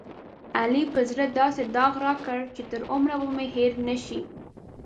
علي په زړه داسې داغ راکړ، چې تر عمره به مې هېر نشي.